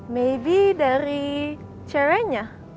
maybe dari ceweknya